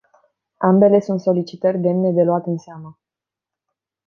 Ambele sunt solicitări demne de luat în seamă.